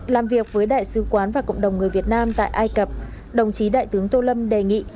làm việc với đại sứ quán và cộng đồng người việt nam tại ai cập đồng chí đại tướng tô lâm đề nghị